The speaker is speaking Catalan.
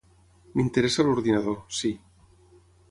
M'interessa l'ordinador, si.